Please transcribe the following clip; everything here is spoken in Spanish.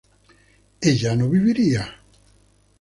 ¿ella no viviría?